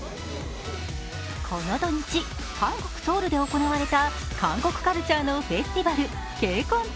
この土日韓国ソウルで行われた韓国カルチャーのフェスティバル